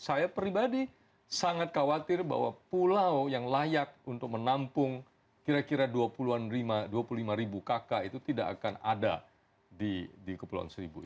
saya pribadi sangat khawatir bahwa pulau yang layak untuk menampung kira kira dua puluh lima ribu kakak itu tidak akan ada di kepulauan seribu ini